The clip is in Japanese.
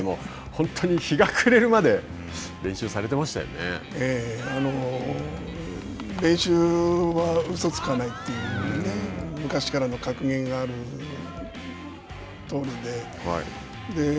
本当に日が暮れるまで練習はうそつかないというね昔からの格言があるとおりで。